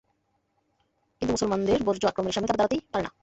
কিন্তু মুসলমানদের বজ্র আক্রমণের সামনে তারা দাঁড়াতেই পারে না।